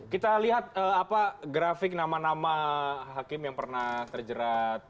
kita lihat apa grafik nama nama hakim yang pernah terjerat